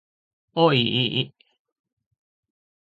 おいいい